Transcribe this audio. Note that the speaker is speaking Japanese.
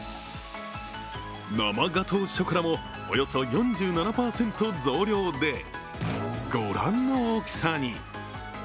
生ガトーショコラもおよそ４７％増量でご覧の大きさに。